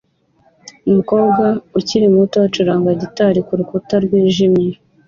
Umukobwa ukiri muto acuranga gitari kurukuta rwijimye